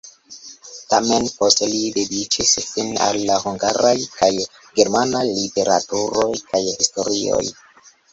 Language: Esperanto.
Tamen poste li dediĉis sin al la hungaraj kaj germanaj literaturoj kaj historioj.